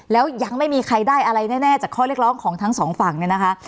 แล้วยังไม่มีใครได้อะไรแน่จากข้อเรียกร้องของทั้งสองฝั่งเนี่ยนะคะ